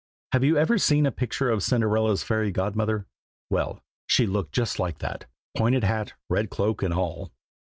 Have you ever seen a picture of Cinderella's fairy godmother? well, she looked just like that, pointed hat, red cloak, and all.